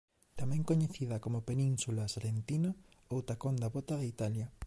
Tamén coñecida como Península salentina ou tacón da bota de Italia.